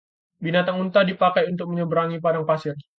binatang unta dipakai untuk menyeberangi padang pasir